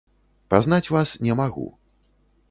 Пазнаць вас не магу.